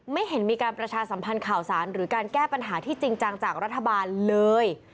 ไม่เห็นมีการประชาสัมพันธ์ข่าวสารหรือการแก้ปัญหาที่จริงจังจากรัฐบาลเลย